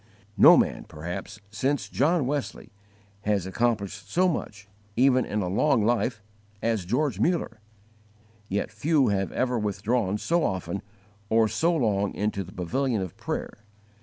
No man, perhaps, since John Wesley has accomplished so much even in a long life as George Muller; yet few have ever withdrawn so often or so long into the pavilion of prayer.